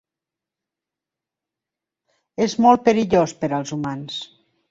És molt perillós per als humans.